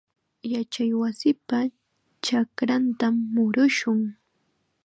Yachaywasipa chakrantam murushun.